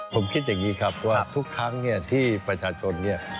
ผมคิดอย่างนี้ครับว่าทุกครั้งเนี่ยที่ประชาชนเนี่ย